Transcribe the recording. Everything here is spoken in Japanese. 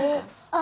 あ！